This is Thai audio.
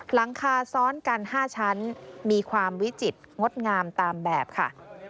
หลังคาซ้อนกัน๕ชั้นมีความวิจิตรงดงามตามแบบค่ะ